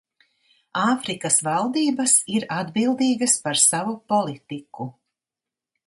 Āfrikas valdības ir atbildīgas par savu politiku.